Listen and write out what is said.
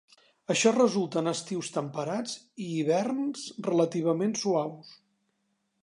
Això resulta en estius temperats i hiverns relativament suaus.